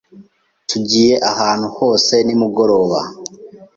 Tugiye ahantu hose nimugoroba?